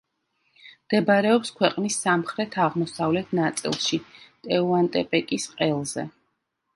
მდებარეობს ქვეყნის სამხრეთ-აღმოსავლეთ ნაწილში, ტეუანტეპეკის ყელზე.